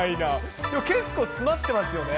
結構、詰まってますよね。